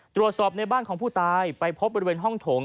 ตรวจสอบในบ้านของผู้ตายไปพบบริเวณห้องโถง